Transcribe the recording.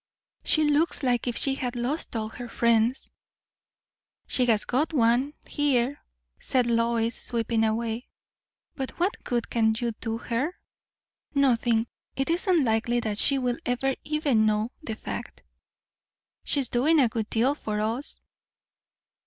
"She looks as if she had lost all her friends." "She has got one, here," said Lois, sweeping away. "But what good can you do her?" "Nothing. It isn't likely that she will ever even know the fact." "She's doing a good deal for us."